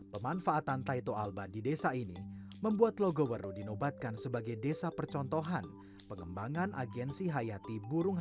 pemanfaatan taito alba di desa ini membuat logowero dinobatkan sebagai desa percontohan pengembangan agensi hayati burung